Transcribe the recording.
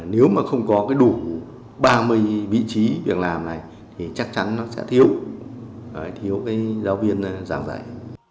nếu mà không có đủ ba mươi vị trí việc làm này thì chắc chắn nó sẽ thiếu thiếu cái giáo viên giảng dạy